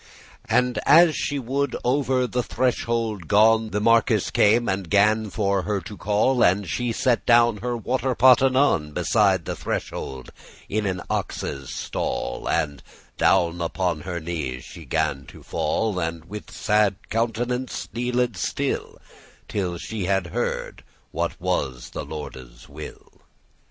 And as she would over the threshold gon, The marquis came and gan for her to call, And she set down her water pot anon Beside the threshold, in an ox's stall, And down upon her knees she gan to fall, And with sad* countenance kneeled still, *steady Till she had heard what was the lorde's will.